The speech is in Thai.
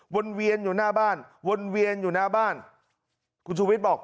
วนเวียนอยู่หน้าบ้านคุณชูวิทย์บอก